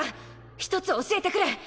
ひとつ教えてくれ。